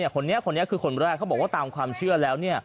คนนี้คนนี้คือคนแรกเขาบอกว่าตามความเชื่อแล้ว